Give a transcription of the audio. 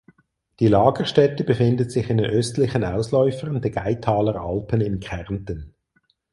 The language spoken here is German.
Die Lagerstätte befindet sich in den östlichen Ausläufern der Gailtaler Alpen in Kärnten.